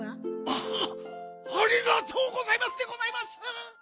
ああありがとうございますでございます！